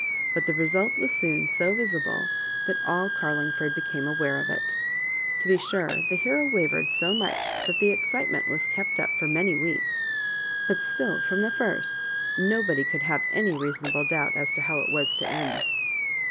But the result was soon so visible that all Carlingford became aware of it To be sure, the hero wavered so much that the excite ment was kept up for many weeks; but still from the first nobody could have any reasonable doubt as to how it was to end.